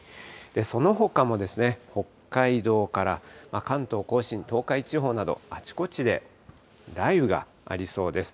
そのほかも北海道から関東甲信、東海地方など、あちこちで雷雨がありそうです。